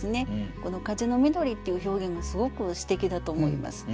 この「風のみどり」っていう表現がすごく詩的だと思います。